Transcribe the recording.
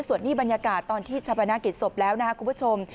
ส่วนนี้บรรยากาศตอนที่ชาปนากิจศพแล้วนะครับคุณผู้ชม